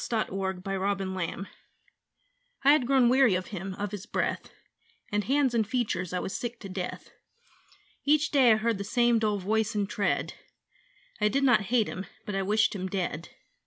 THOU SHALT NOT KILL I had grown weary of him; of his breath And hands and features I was sick to death. Each day I heard the same dull voice and tread; I did not hate him: but I wished him dead.